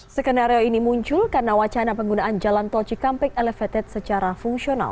skenario ini muncul karena wacana penggunaan jalan tol cikampek elevated secara fungsional